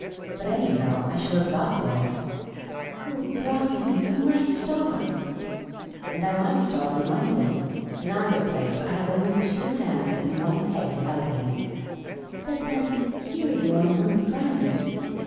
But, anyhow, I .shall have got there." " Oh, Brownie, you might starve !"■■^ 1 6 Miss Cayley's Adventures " And I might starve in London. In either place, I have only two hands and one head to help nie. ''" But then, here you are among friends.